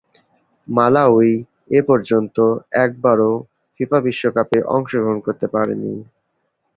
Malawi এপর্যন্ত একবারও FIFA বিশ্বকাপে অংশগ্রহণ করতে পারেনি।